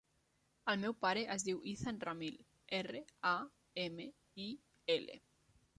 El meu pare es diu Izan Ramil: erra, a, ema, i, ela.